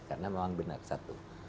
karena memang benar satu